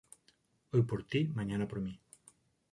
Hoy por ti, mañana por mí.